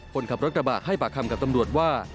คนขับรถกระบะให้ปากคำกับตำรวจว่า